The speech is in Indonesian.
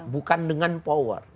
bukan dengan power